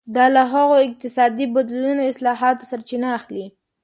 دا له هغو اقتصادي بدلونونو او اصلاحاتو سرچینه اخلي.